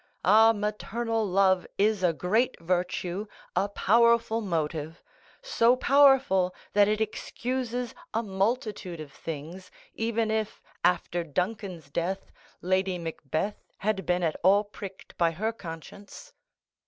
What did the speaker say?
Ah, maternal love is a great virtue, a powerful motive—so powerful that it excuses a multitude of things, even if, after Duncan's death, Lady Macbeth had been at all pricked by her conscience."